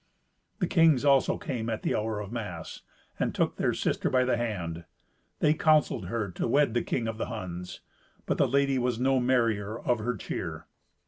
The kings also came at the hour of mass, and took their sister by the hand. They counselled her to wed the king of the Huns. But the lady was no merrier of her cheer.